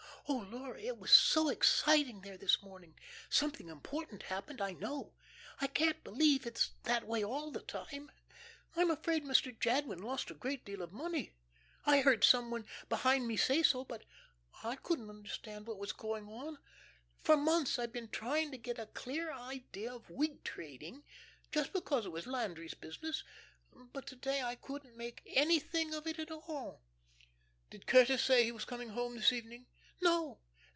Oh, Laura, it was so exciting there this morning. Something important happened, I know. I can't believe it's that way all the time. I'm afraid Mr. Jadwin lost a great deal of money. I heard some one behind me say so, but I couldn't understand what was going on. For months I've been trying to get a clear idea of wheat trading, just because it was Landry's business, but to day I couldn't make anything of it at all." "Did Curtis say he was coming home this evening?" "No.